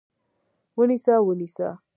ونیسه! ونیسه!